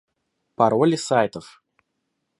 Пароли сайтов